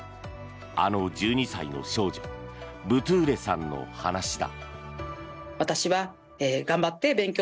あの１２歳の少女ブトゥーレさんの話だ。